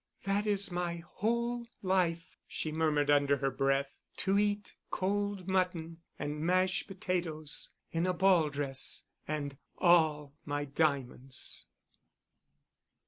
"That is my whole life," she murmured under her breath, "to eat cold mutton and mashed potatoes in a ball dress and all my diamonds."